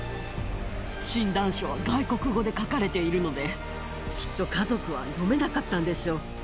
診断書は外国語で書かれているので、きっと家族は読めなかったんでしょう。